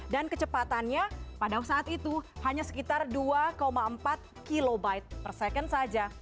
dan kecepatannya pada saat itu hanya sekitar dua empat kilobyte per second saja